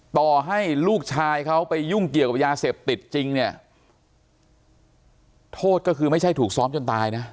ต่อให้ลูกชายเขาไปยุ่งเกี่ยวกับยาเสพติดจริงเนี่ยโทษก็คือไม่ใช่ถูกซ้อมจนตายนะ